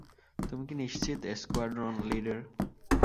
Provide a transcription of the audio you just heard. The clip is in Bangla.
তুমি কি নিশ্চিত, স্কোয়াড্রন লিডার?